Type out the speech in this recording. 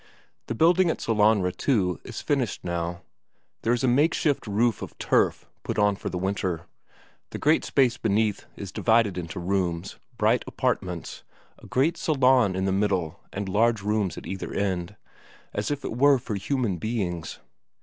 The building at Sellanraa, too, is finished now. There is a makeshift roof of turf put on for the winter; the great space beneath is divided into rooms, bright apartments, a great salon in the middle and large rooms at either end, as if it were for human beings.